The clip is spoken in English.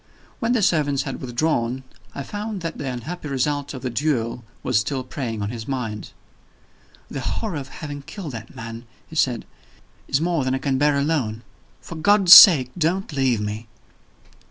When the servants had withdrawn, I found that the unhappy result of the duel was still preying on his mind. "The horror of having killed that man," he said, "is more than I can bear alone. For God's sake, don't leave me!"